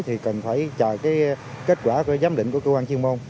thì cần phải chờ cái kết quả giám định của cơ quan chuyên môn